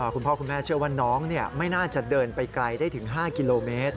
คุณพ่อคุณแม่เชื่อว่าน้องไม่น่าจะเดินไปไกลได้ถึง๕กิโลเมตร